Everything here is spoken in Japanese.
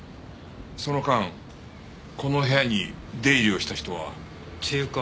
その間この部屋に出入りをした人は？っていうか